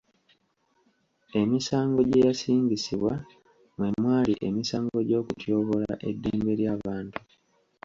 Emisango gye yasingisibwa mwe mwali emisango gy'okutyoboola eddembe ly'abantu.